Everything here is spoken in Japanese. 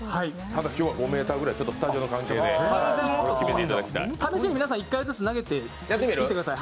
今日は５ｍぐらい、スタジオの関係で決めていただきたい。